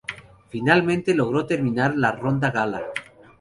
Finalmente logró terminar la ronda gala.